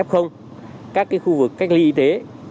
các khu vực có f các khu vực cách ly y tế